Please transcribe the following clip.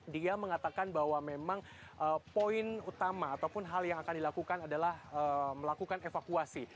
dia mengatakan bahwa memang poin utama ataupun hal yang akan dilakukan adalah melakukan evakuasi